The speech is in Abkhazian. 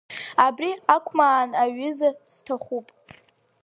Абри акәмаан аҩыза сҭахуп.